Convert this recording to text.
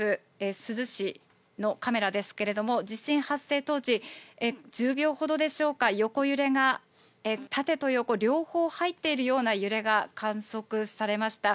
珠洲市のカメラですけれども、地震発生当時、１０秒ほどでしょうか、横揺れが、縦と横、両方入っているような揺れが観測されました。